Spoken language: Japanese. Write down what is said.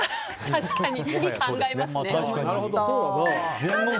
確かに、次考えますね。